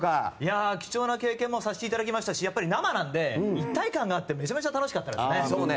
貴重な経験もさせていただきましたしやっぱり生なので一体感があってめちゃめちゃ楽しかったですね。